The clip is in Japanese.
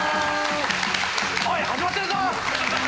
おい始まってるぞ！